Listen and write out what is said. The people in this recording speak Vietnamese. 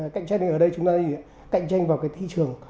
cạnh tranh ở đây chúng ta nghĩ là cạnh tranh vào cái thị trường